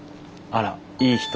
あらいい人？